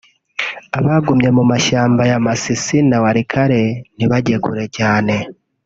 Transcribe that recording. abagumye mu mashyamba ya Masisi na Walikale ntibajye kure cyane